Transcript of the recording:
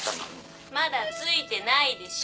まだ付いてないでしょ。